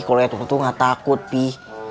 kalo ehtur tuh gak takut pih